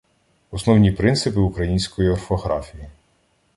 Основні принципи української орфографії